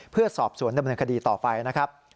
เพื่อสอบสวนดำเนินคดีต่อไปนะครับ